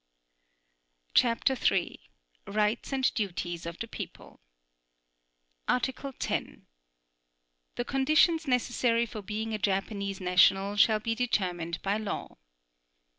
CHAPTER III. RIGHTS AND DUTIES OF THE PEOPLE Article 10. The conditions necessary for being a Japanese national shall be determined by law.